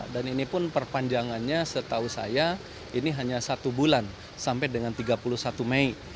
dan ini pun perpanjangannya setahu saya ini hanya satu bulan sampai dengan tiga puluh satu mei